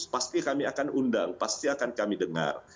pasti kami akan undang pasti akan kami dengar